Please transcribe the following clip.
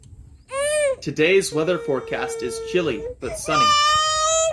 Today's weather forecast is chilly, but sunny.